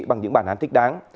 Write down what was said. bằng những bản án thích đáng